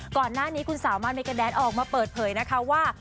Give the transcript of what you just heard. ก่อนหน้านี้คุณสามารถเมกาแดนออกมาเปิดเผยนะคะว่า